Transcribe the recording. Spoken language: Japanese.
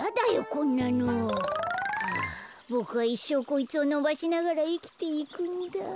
こんなの。はあボクはいっしょうこいつをのばしながらいきていくんだあ。